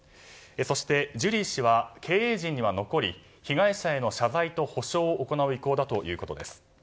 そして、ジュリー氏は経営陣には残り被害者への謝罪と補償を行う意向だということです。